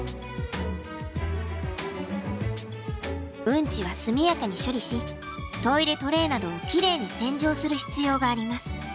うんちは速やかに処理しトイレトレーなどをきれいに洗浄する必要があります。